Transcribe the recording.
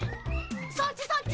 そっちそっち！